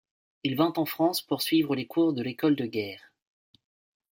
Il vint en France pour suivre les cours de l'École de guerre.